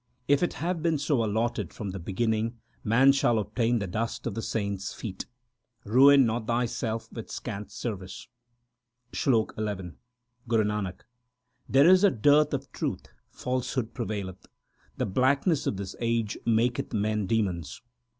If it have been so allotted from the beginning, man shall obtain the dust of the saints feet. Ruin not thyself with scant service. SLOK XI Guru Nanak There is a dearth of truth ; falsehood prevaileth ; the blackness of this age maketh men demons.